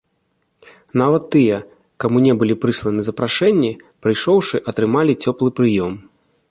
Нават тыя, каму не былі прысланы запрашэнні, прыйшоўшы, атрымалі цёплы прыём.